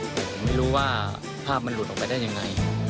ผมไม่รู้ว่าภาพมันหลุดออกไปได้ยังไง